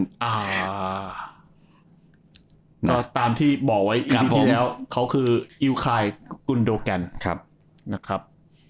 ก็ตามที่บอกไว้น้ำที่แล้วเขาคืออิวคายกุลโดแกนนะครับ